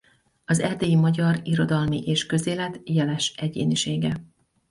Az erdélyi magyar irodalmi- és közélet jeles egyénisége.